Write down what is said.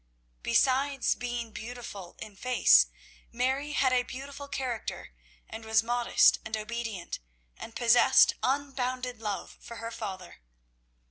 Besides being beautiful in face, Mary had a beautiful character, and was modest and obedient, and possessed unbounded love for her father.